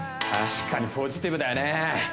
確かにポジティブだよね